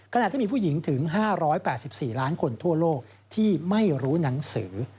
ขณะที่มีผู้หญิงถึง๕๘๔ล้านคนทั่วโลกที่ไม่รู้หนังสือ